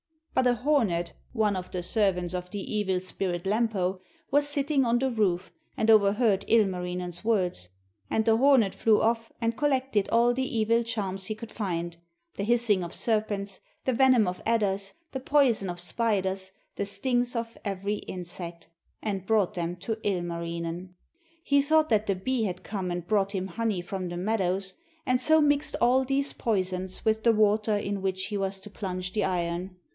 But a hornet, one of the servants of the evil spirit Lempo, was sitting on the roof and overheard Ilmarinen's words. And the hornet flew off and collected all the evil charms he could find the hissing of serpents, the venom of adders, the poison of spiders, the stings of every insect and brought them to Ilmarinen. He thought that the bee had come and brought him honey from the meadows, and so mixed all these poisons with the water in which he was to plunge the iron.